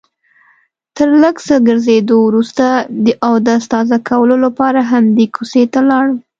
تر لږ څه ګرځېدو وروسته د اودس تازه کولو لپاره همدې کوڅې ته لاړم.